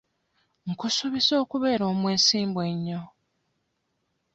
Nkusuubiza okubeera omwesimbu ennyo.